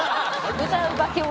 歌う化け物。